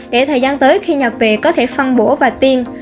để thời gian tới khi nhập về có thể phân bổ và tiêm